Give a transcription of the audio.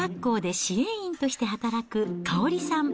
小学校で支援員として働く香織さん。